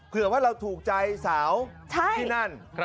เผื่อว่าเราถูกใจสาวที่นั่น